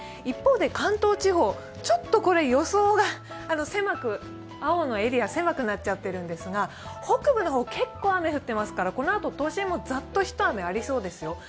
一方で、関東地方、ちょっと予想が狭く青のエリアが狭くなっちゃっているんですが、北部の方、結構雨降ってますからこのあと都心の方でもざっと一降りありそうですよ。